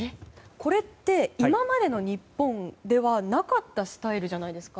これって今までの日本ではなかったスタイルじゃないですか？